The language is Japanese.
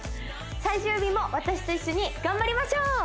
最終日も私と一緒に頑張りましょう！